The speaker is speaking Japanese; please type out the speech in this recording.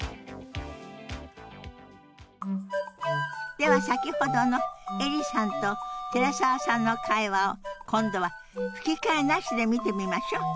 では先ほどのエリさんと寺澤さんの会話を今度は吹き替えなしで見てみましょう。